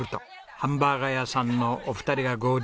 ハンバーガー屋さんのお二人が合流。